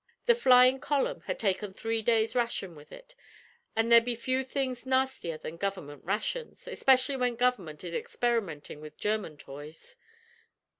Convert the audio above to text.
The flying column had taken three days' rations with it, and there be few things nastier than government rations especially when government is experimenting with German toys.